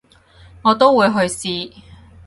我都會去試